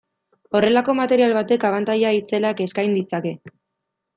Horrelako material batek abantaila itzelak eskain ditzake.